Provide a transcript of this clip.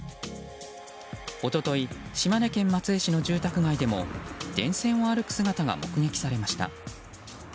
一昨日島根県松江市の住宅街でも電線を歩く姿が目撃されました。